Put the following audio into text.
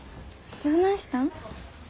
どないしたん？